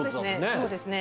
そうですね